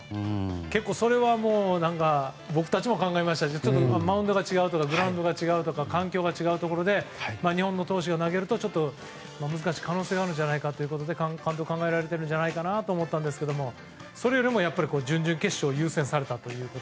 それはもう僕たちも考えましたしマウンドが違うとかグラウンド、環境が違う中で日本の投手が投げると難しくなる可能性があるんじゃないかということで監督は考えられているんじゃないかなと思ったんですがそれよりも準々決勝を優先されたと。